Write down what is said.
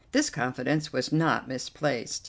This confidence was not misplaced.